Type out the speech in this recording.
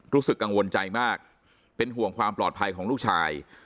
รู้สึกกังวลใจมากเป็นห่วงความปลอดภัยของลูกชาย